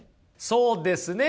そうですね。